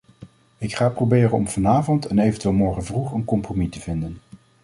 Ik ga proberen om vanavond en eventueel morgenvroeg een compromis te vinden.